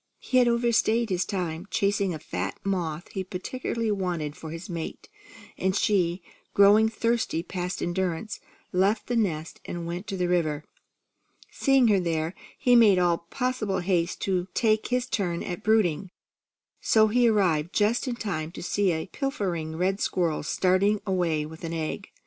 He had overstayed his time, chasing a fat moth he particularly wanted for his mate, and she, growing thirsty past endurance, left the nest and went to the river. Seeing her there, he made all possible haste to take his turn at brooding, so he arrived just in time to see a pilfering red squirrel starting away with an egg.